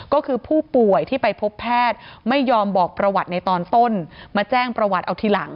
ก็คือผู้ป่วยที่ไปพบแพทย์ไม่ยอมบอกประวัติในตอนต้นมาแจ้งประวัติเอาทีหลัง